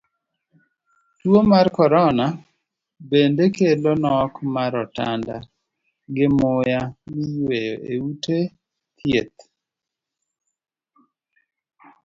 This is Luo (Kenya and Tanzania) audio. Tuo mar korona bende kelo nok mar otanda gi muya miyueyo e ute dhieth